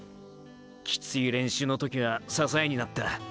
キツイ練習の時は支えになった。